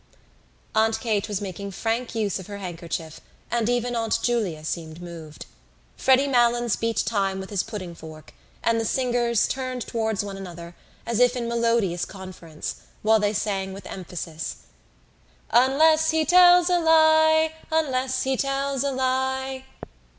Aunt Kate was making frank use of her handkerchief and even Aunt Julia seemed moved. Freddy Malins beat time with his pudding fork and the singers turned towards one another, as if in melodious conference, while they sang with emphasis: Unless he tells a lie, Unless he tells a lie.